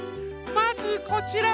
まずこちら。